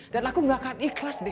dan aku gak akan ikhlas de